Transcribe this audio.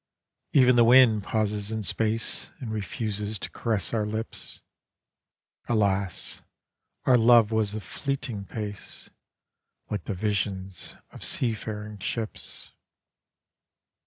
<£ven the wind pauses in space And refuses to. caress our lips; Alas, our love was of fleeting pace Like the visions of seafaring ships.